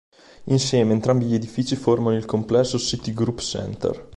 Insieme, entrambi gli edifici formano il complesso "Citigroup Centre".